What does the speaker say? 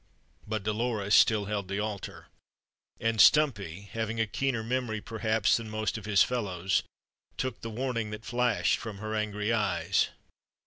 But Dolores still held the altar; and Stumpy, having a keener memory perhaps than most of his fellows, took the warning that flashed from her angry eyes.